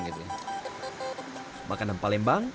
menurut penduduk ikanan palembang